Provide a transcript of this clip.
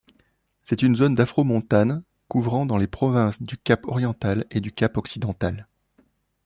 C'est une zone d'afromontane couvrant dans les provinces du Cap-Oriental et du Cap-Occidental.